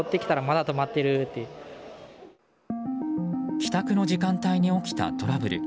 帰宅の時間帯に起きたトラブル。